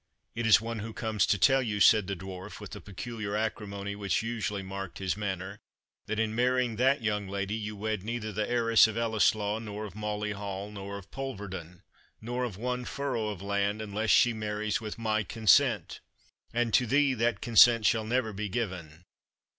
"It is one who comes to tell you," said the Dwarf, with the peculiar acrimony which usually marked his manner, "that, in marrying that young lady, you wed neither the heiress of Ellieslaw, nor of Mauley Hall, nor of Polverton, nor of one furrow of land, unless she marries with MY consent; and to thee that consent shall never be given.